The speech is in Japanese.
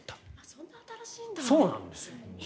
そんな新しいんだ。